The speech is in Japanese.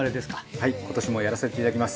はい今年もやらせていただきます。